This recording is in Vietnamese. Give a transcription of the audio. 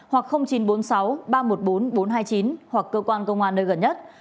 hoặc chín trăm bốn mươi sáu ba trăm một mươi bốn bốn trăm hai mươi chín hoặc cơ quan công an nơi gần nhất